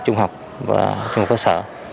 trung học và trung học phát sở